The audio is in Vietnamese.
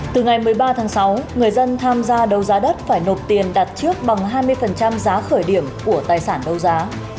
từ ngày một mươi ba tháng sáu người dân tham gia đấu giá đất phải nộp tiền đặt trước bằng hai mươi giá khởi điểm của tài sản đấu giá